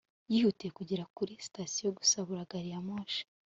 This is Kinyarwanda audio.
yihutiye kugera kuri sitasiyo gusa abura gari ya moshi